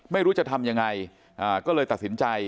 ไม่รู้จะทำยังไงก็เลยตัดสินใจ